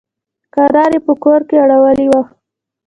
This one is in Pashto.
کرار يې په کور کښې اړولي وو.